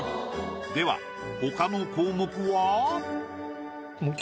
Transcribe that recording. ではほかの項目は？